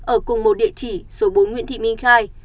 ở cùng một địa chỉ số bốn nguyễn thị minh khai